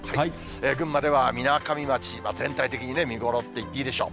群馬ではみなかみ町全体的にね、見頃って言っていいでしょう。